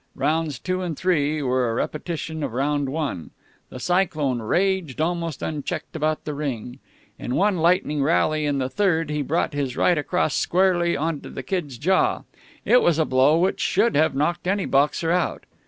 Rounds two and three were a repetition of round one. The Cyclone raged almost unchecked about the ring. In one lightning rally in the third he brought his right across squarely on to the Kid's jaw. It was a blow which should have knocked any boxer out.